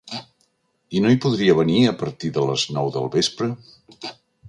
I no hi podria venir a partir de les nou del vespre?